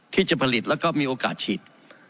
ที่จะผลิตแล้วก็มีโอกาสฉีด